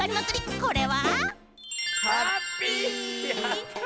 これは。